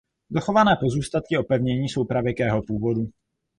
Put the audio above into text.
Dochované pozůstatky opevnění jsou pravěkého původu.